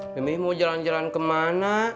memilih mau jalan jalan kemana